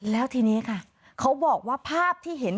แล้วทีนี้ค่ะเขาบอกว่าภาพที่เห็น